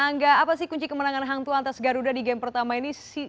angga apa sih kunci kemenangan hangtu atas garuda di game pertama ini